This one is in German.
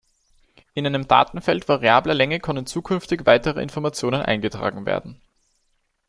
In einem Datenfeld variabler Länge können zukünftig weitere Informationen eingetragen werden.